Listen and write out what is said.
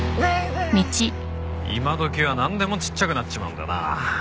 今どきはなんでもちっちゃくなっちまうんだな。